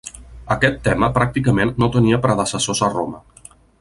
Aquest tema pràcticament no tenia predecessors a Roma.